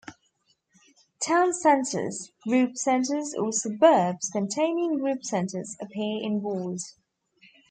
"Town centres", "Group Centres", or suburbs containing group centres, appear in bold.